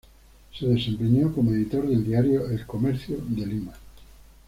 Se desempeñó como editor del diario El Comercio de Lima.